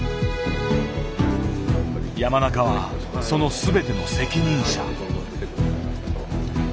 山中はその全ての責任者。